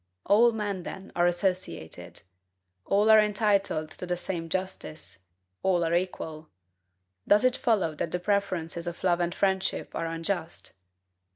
All men, then, are associated; all are entitled to the same justice; all are equal. Does it follow that the preferences of love and friendship are unjust?